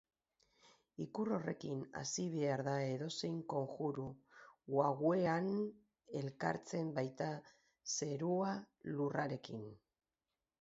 Ikur horrekin hasi behar da edozein konjuru, wawean elkartzen baita zerua lurrarekin.